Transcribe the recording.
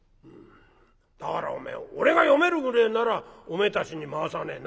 「だからおめえ俺が読めるぐれえならおめえたちに回さねえ」。